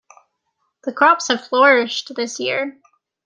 The crops have flourished this year.